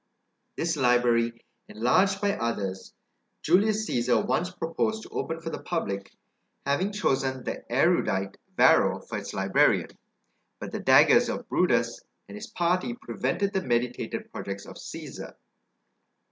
This library enlarged by others, Julius Cæsar once proposed to open for the public, having chosen the erudite Varro for its librarian; but the daggers of Brutus and his party prevented the meditated projects of Cæsar.